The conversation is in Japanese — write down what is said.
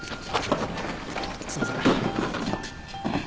すいません。